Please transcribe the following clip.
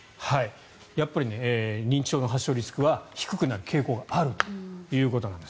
やっぱり認知症の発症リスクは低くなる傾向があるということなんです。